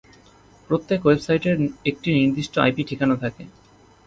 প্রত্যেক ওয়েবসাইটের একটি নির্দিষ্ট আইপি ঠিকানা থাকে।